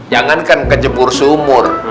jangankan kejembur sumur